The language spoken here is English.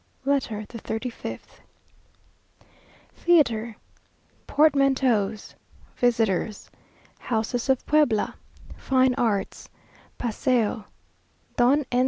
LETTER THE THIRTY FIFTH Theatre Portmanteaus Visitors Houses of Puebla Fine Arts Paseo Don N.